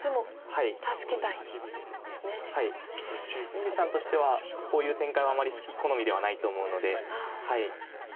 谷口さんとしてはこういう展開はあまり好みではないと思うので。